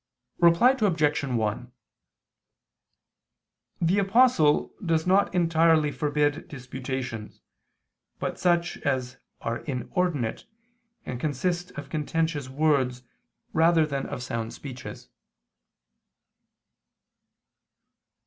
Reply Obj. 1: The Apostle does not entirely forbid disputations, but such as are inordinate, and consist of contentious words rather than of sound speeches.